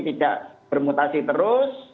tidak bermutasi terus